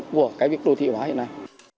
của cái việc đô thị hóa hiện nay